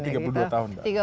saya tiga puluh dua tahun